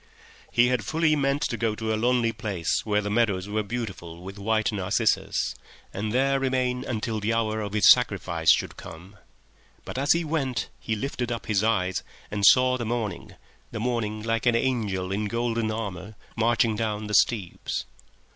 He walked away. He had fully meant to go to a lonely place where the meadows were beautiful with white narcissus, and there remain until the hour of his sacrifice should come, but as he walked he lifted up his eyes and saw the morning, the morning like an angel in golden armour, marching down the steeps